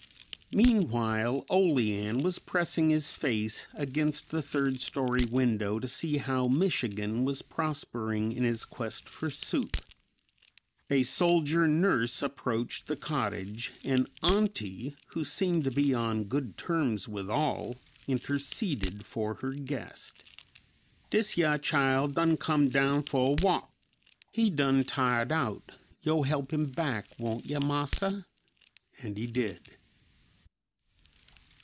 Meanwhile "Olean" was pressing his face against the third story window to see how "Michigan" was prospering in his quest for soup. A soldier nurse approached the cottage and "aunty," who seemed to be on good terms with all, interceded for her guest. "Dis ya chile done cum down fo a wok; he done tiad out, yo' help him back, won't yo', massa?" And he did.